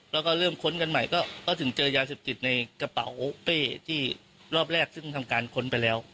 แล้วก็เริ่มค้นกันใหม่ก็ถึงเจอยาเสพติดในกระเป๋าเป้ที่รอบแรกซึ่งทำการค้นไปแล้ว